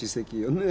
ねえ。